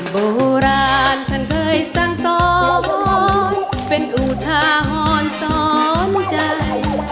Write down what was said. โบราณท่านเคยสั่งสอนเป็นอุทาหรณ์สอนใจ